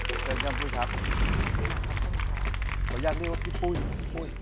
อีกนิดจะยังยังหลับในปุ้ย